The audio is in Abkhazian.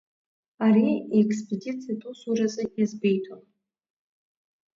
Ари иекспедициатә усуразы иазгәеиҭон…